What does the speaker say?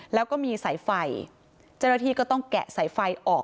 แล้วก็มีสายไฟเจ้าหน้าที่ก็ต้องแกะสายไฟออก